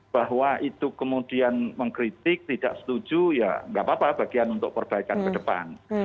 bahwa itu kemudian mengkritik tidak setuju ya nggak apa apa bagian untuk perbaikan ke depan